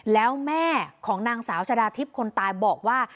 แล้วแม่ของนางสาวชะดาทิพย์คนตายบอกว่า